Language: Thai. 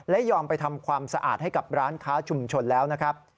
และยอมไปทำความสะอาดให้กับร้านค้าชุมชนแล้วนะครับ